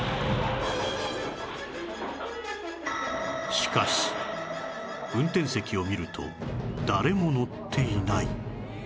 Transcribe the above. しかし運転席を見ると誰も乗っていない